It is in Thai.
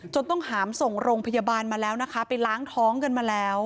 ต้องหามส่งโรงพยาบาลมาแล้วนะคะไปล้างท้องกันมาแล้ว